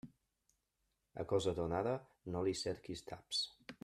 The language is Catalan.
A cosa donada no li cerquis taps.